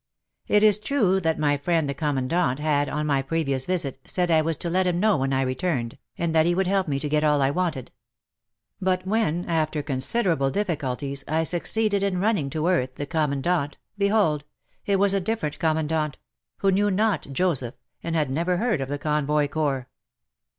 It is true that my friend the Commandant had, on my previous visit, said I was to let him know when I returned, and that he would help me to get all I wanted. But when, after con siderable difficulties, I succeeded in running to earth the Commandant — behold !— it was a different Commandant — who knew not Joseph, and had never heard of the Convoy Corps.